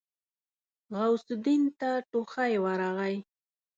غوث الدين ته ټوخی ورغی.